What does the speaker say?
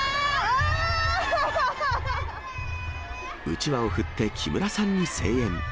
うちわを振って木村さんに声援。